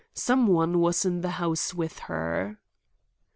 Some one was in the house with her."